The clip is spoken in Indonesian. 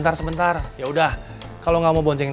kamu juga berapa kali nyamar kesini tintin